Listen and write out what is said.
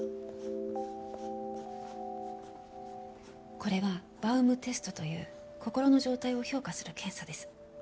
これはバウムテストという心の状態を評価する検査です。